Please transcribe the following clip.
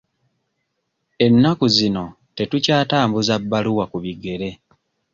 Ennaku zino tetukyatambuza bbaluwa ku bigere.